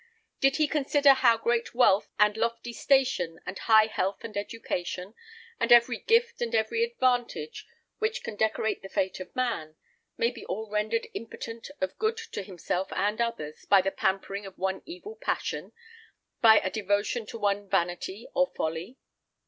Did he consider how great wealth and lofty station, and high health and education, and every gift and every advantage which can decorate the fate of man, may be all rendered impotent of good to himself and others, by the pampering of one evil passion, by a devotion to one vanity or folly?